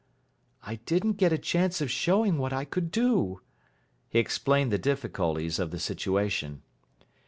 "I didn't get a chance of showing what I could do." He explained the difficulties of the situation.